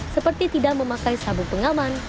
seperti tidak memakai sabuk pengaman